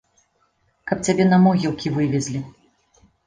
Каб цябе на могілкі вывезлі!